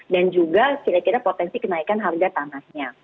dan juga kira kira potensi kenaikan harga tanahnya